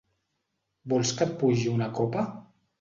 Vols que et pugi una copa?